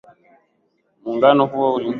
Muungano huo ulikuwa wenye neema kubwa